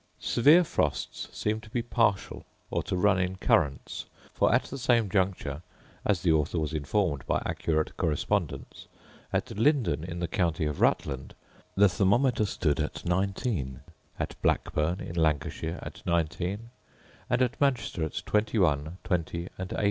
Severe frosts seem to be partial, or to run in currents; for, at the same juncture, as the author was informed by accurate correspondents, at Lyndon in the county of Rutland, the thermometer stood at 19: at Blackburn, in Lancashire, at 19: and at Manchester at 21, 20, and 18.